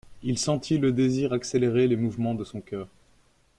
Il sentit le désir accélérer les mouvements de son cœur.